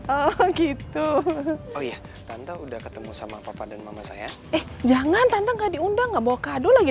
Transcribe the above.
oh gitu pak babe sudah ketemu sama papa dan mama saya jangan itu nggak diundang nggak bocado lagi